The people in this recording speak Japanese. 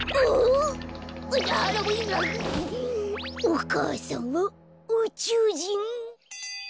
お母さんはうちゅうじん！？